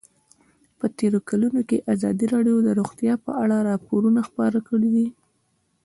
په تېرو کلونو کې ازادي راډیو د روغتیا په اړه راپورونه خپاره کړي دي.